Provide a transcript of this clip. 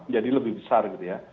jadi lebih besar gitu ya